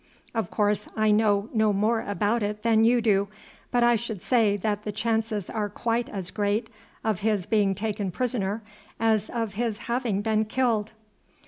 Of course I know no more about it than you do, but I should say that the chances are quite as great of his being taken prisoner as of his having been killed."